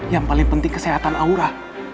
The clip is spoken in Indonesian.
yang paling penting kesehatan aura